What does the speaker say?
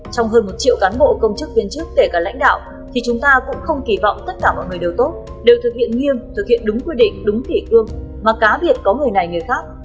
trong hơn một triệu cán bộ công chức viên chức kể cả lãnh đạo thì chúng ta cũng không kỳ vọng tất cả mọi người đều tốt đều thực hiện nghiêm thực hiện đúng quy định đúng kỷ cương mà cá biệt có người này người khác